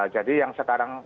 jadi yang sekarang